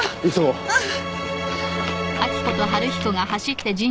うん。